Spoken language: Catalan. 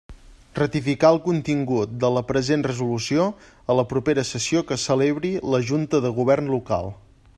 Ratificar el contingut de la present resolució a la propera sessió que celebri la Junta de Govern Local.